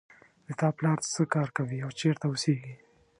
د تا پلار څه کار کوي او چېرته اوسیږي